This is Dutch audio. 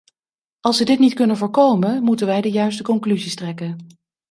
Als ze dit niet kunnen voorkomen, moeten wij de juiste conclusies trekken.